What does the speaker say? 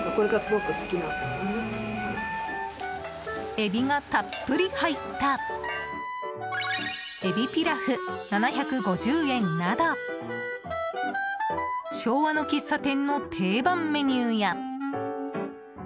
エビがたっぷり入った海老ピラフ、７５０円など昭和の喫茶店の定番メニューや。